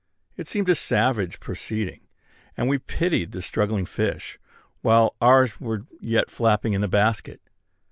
It seemed a savage proceeding, and we pitied the struggling fish, while ours were yet flapping in the basket.